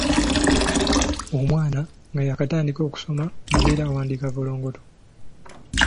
Omwana nga yaakatandika okusoma abeera awandiika vvolongoto.